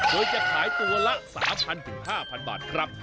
โดยจะขายตัวละ๓๐๐๕๐๐บาทครับ